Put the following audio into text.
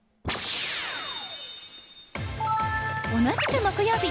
同じく木曜日。